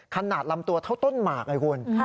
ลำตัวเท่าต้นหมากไงคุณ